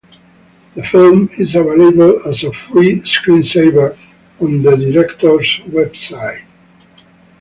The film is available as a free screensaver on the director's website.